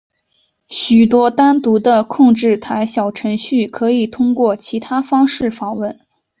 许多单独的控制台小程序可以通过其他方式访问。